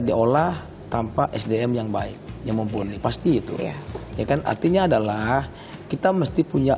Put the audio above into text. diolah tanpa sdm yang baik yang mumpuni pasti itu ya kan artinya adalah kita mesti punya